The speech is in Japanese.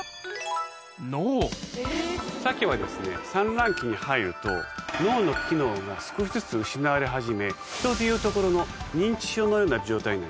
サケは産卵期に入ると脳の機能が少しずつ失われ始めヒトでいうところの認知症のような状態になります。